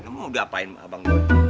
kamu udah ngapain abang gue